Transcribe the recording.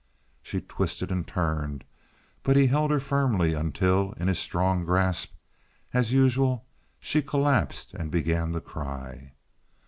She twisted and turned, but he held her firmly until, in his strong grasp, as usual, she collapsed and began to cry.